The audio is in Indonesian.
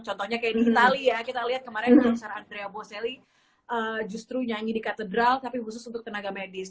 contohnya kayak di itali ya kita lihat kemarin konser andrea bosselli justru nyanyi di katedral tapi khusus untuk tenaga medis